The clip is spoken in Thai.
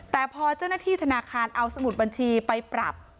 แต่พอเจ้าหน้าที่ธนาคารเอาสมุดบัญชีไปปรับ